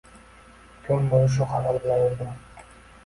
Kun bo`yi shu xayol bilan yurdim